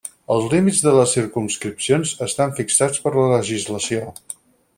Els límits de les circumscripcions estan fixats per la legislació.